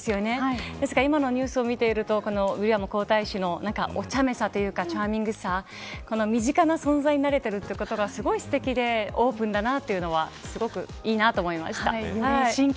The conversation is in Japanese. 今のニュースを見るとウィリアム皇太子のお茶目さというかチャーミングさ身近な存在になられていることがすてきでオープンだなとそういったところがいいなと思いました。